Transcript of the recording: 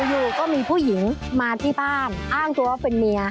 อยู่ก็มีผู้หญิงมาที่บ้านอ้างตัวว่าเป็นเมีย